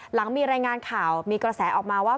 หลังมีรายงานข่าวมีกระแสออกมาว่า